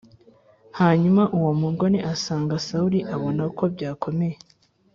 Hanyuma uwo mugore asanga Sawuli abona ko byakomeye